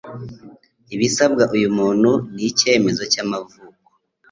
ibisabwa uyu muntu ni icyemezo cy'amavuko,